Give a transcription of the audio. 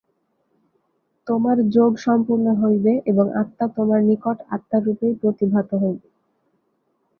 তোমার যোগ সম্পূর্ণ হইবে এবং আত্মা তোমার নিকট আত্মারূপেই প্রতিভাত হইবে।